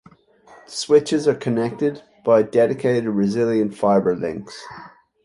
The switches are connected by dedicated resilient fibre links.